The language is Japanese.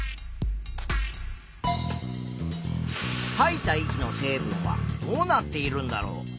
いた息の成分はどうなっているんだろう？